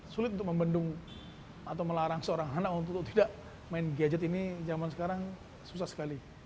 sulit untuk membendung atau melarang seorang anak untuk tidak main gadget ini zaman sekarang susah sekali